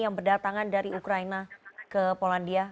yang berdatangan dari ukraina ke polandia